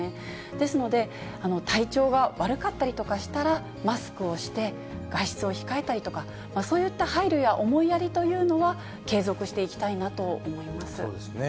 ですので、体調が悪かったりとかしたら、マスクをして、外出を控えたりとか、そういった配慮や、思いやりというのは継続していきたいなとそうですね。